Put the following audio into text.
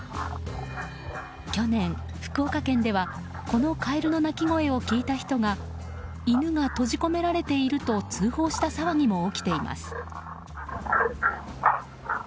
去年、福岡県ではこのカエルの鳴き声を聞いた人が犬が閉じ込められていると通報した騒ぎも起きています。